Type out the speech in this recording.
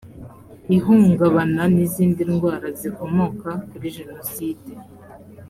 ihungabana n izindi ndwara zikomoka kuri jenoside